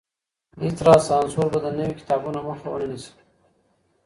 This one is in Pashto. هيڅ راز سانسور به د نويو کتابونو مخه ونه نيسي.